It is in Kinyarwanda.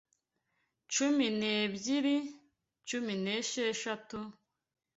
cumi n’ebyiri, cumi n’esheshatu,